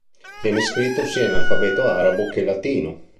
Viene scritto sia in alfabeto arabo che latino.